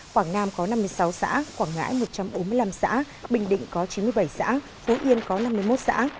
quảng nam có năm mươi sáu xã quảng ngãi một trăm bốn mươi năm xã bình định có chín mươi bảy xã phú yên có năm mươi một xã